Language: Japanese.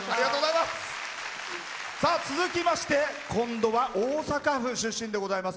続きまして、今度は大阪市出身でございます。